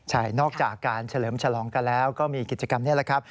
ใช่นอกจากการเฉลิมฉลองกันแล้วก็มีกิจกรรมนี้แหละครับ